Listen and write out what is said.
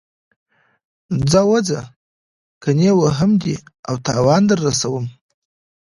ځه ووځه کنه وهم دې او تاوان در رسوم.